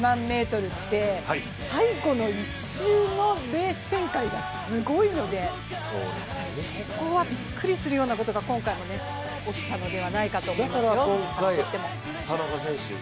１００００ｍで最後の１周のレース展開がすごいのでやっぱりそこはびっくりするようなことが今回も起きたのではないかと思いますよ。